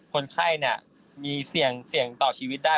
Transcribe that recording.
คนไข้มีเสี่ยงต่อชีวิตได้